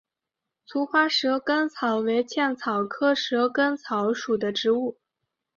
簇花蛇根草为茜草科蛇根草属的植物。